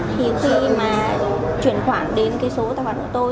thì khi mà chuyển khoản đến cái số tài khoản của tôi